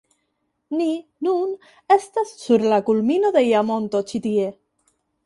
Ni nun estas sur la kulmino de ia monto ĉi tie